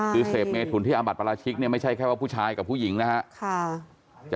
คือเสพเมถุนที่อาบัติประราชิกเนี่ยไม่ใช่แค่ว่าผู้ชายกับผู้หญิงนะครับ